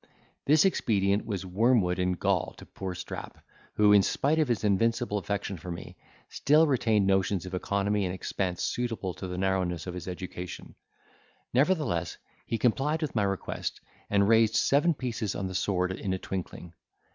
This expedient was wormwood and gall to poor Strap, who, in spite of his invincible affection for me, still retained notions of economy and expense suitable to the narrowness of his education; nevertheless he complied with my request, and raised seven pieces on the sword in a twinkling.